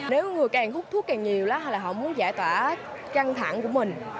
nếu người càng hút thuốc càng nhiều là họ muốn giải tỏa căng thẳng của mình